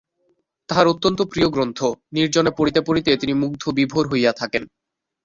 তাহার অত্যন্ত প্রিয় গ্রন্থ, নির্জনে পড়িতে পড়িতে তিনি মুগ্ধ বিভোর হইয়া থাকেন।